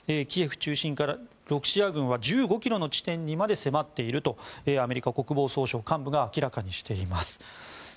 キエフ中心からロシア軍が１５ｋｍの地点まで迫っているとアメリカ国防総省幹部が明らかにしています。